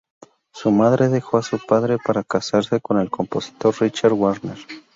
Su madre dejó a su padre para casarse con el compositor Richard Wagner.